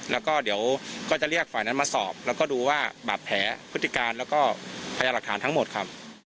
แล้วก็เดี๋ยวก็จะเรียกฝ่ายนั้นมาสอบแล้วก็ดูว่าบาดแผลพฤติการแล้วก็พยาหลักฐานทั้งหมดครับ